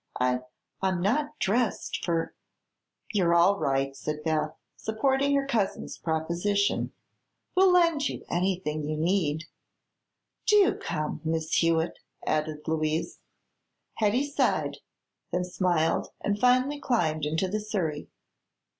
"I I'm not dressed for " "You're all right," said Beth, supporting her cousin's proposition. "We'll lend you anything you need." "Do come, Miss Hewitt," added Louise. Hetty sighed, then smiled and finally climbed into the surrey.